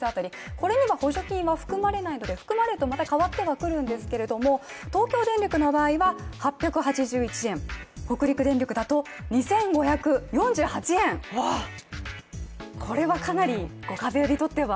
これには補助金は含まれないので含まれるとまた変わってはくるんですけども、東京電力の場合は８８１円、北陸電力だと２５４８円これはかなり、ご家庭にとっては。